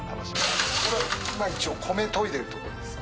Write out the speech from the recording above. これ今一応米といでるとこです。